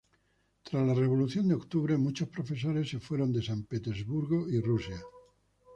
Tras la Revolución de Octubre, muchos profesores se fueron de San Petersburgo y Rusia.